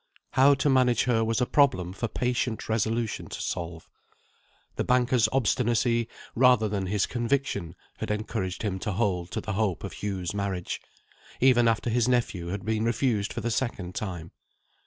How to manage her was a problem for patient resolution to solve. The banker's obstinacy, rather than his conviction, had encouraged him to hold to the hope of Hugh's marriage, even after his nephew had been refused for the second time.